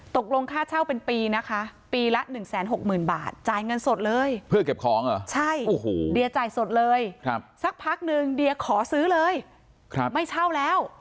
ตกลงค่าเช่าเป็นปีนะคะปีละ๑๖๐๐๐บาทจ่ายเงินสดเลยเพื่อเก็บของเหรอใช่โอ้โหเดียจ่ายสดเลยสักพักนึงเดียขอซื้อเลยไม่เช่าแล้ว